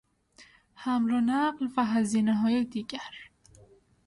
حمل و نقل و هزینههای دیگر